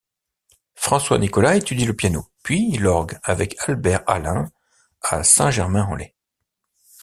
François Nicolas étudie le piano, puis l'orgue avec Albert Alain à Saint-Germain-en-Laye.